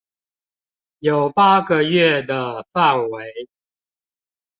有八個月的範圍